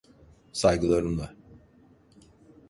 Saygılarımla.